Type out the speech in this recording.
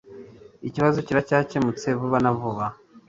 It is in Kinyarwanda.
Ikibazo kiracyakemutse vuba na vuba.